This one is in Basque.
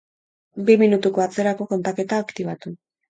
Bi minutuko atzerako kontaketa aktibatu.